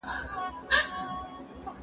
زه پرون د سبا لپاره د نوي لغتونو يادوم!.